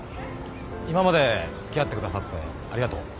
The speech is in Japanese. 今までつきあってくださってありがとう。